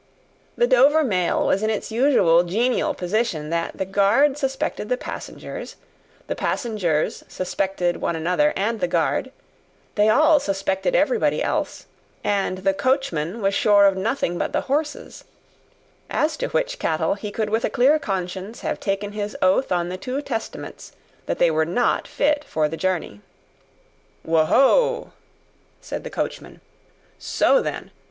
The Dover mail was in its usual genial position that the guard suspected the passengers, the passengers suspected one another and the guard, they all suspected everybody else, and the coachman was sure of nothing but the horses; as to which cattle he could with a clear conscience have taken his oath on the two Testaments that they were not fit for the journey. "Wo ho!" said the coachman. "So, then!